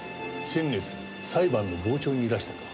先月裁判の傍聴にいらしたとか。